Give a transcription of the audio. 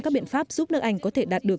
các biện pháp giúp nước anh có thể đạt được